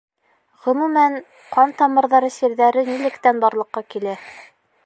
Ғөмүмән, ҡан тамырҙары сирҙәре нилектән барлыҡҡа килә?